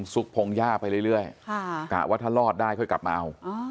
ซุกพงหญ้าไปเรื่อยกะว่าถ้ารอดได้ค่อยกลับมาเอา